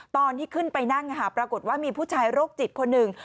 ตอนที่ขึ้นไปนั่งปรากฏว่ามีผู้ชายโรคจิตคนหนึ่ง